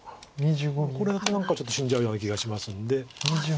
これだと何かちょっと死んじゃうような気がしますんで。